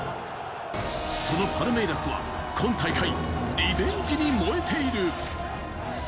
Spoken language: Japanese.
そのパルメイラスは今大会、リベンジに燃えている。